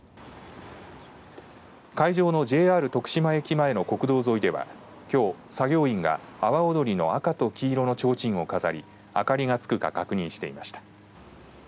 会場のＪＲ徳島駅前の国道沿いではきょう、作業員が阿波おどりの赤と黄色のちょうちんを飾り明かりがつくか確認していました。